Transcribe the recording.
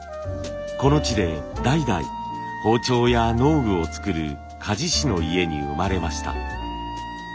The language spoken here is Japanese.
この地で代々包丁や農具を作る鍛冶師の家に生まれました。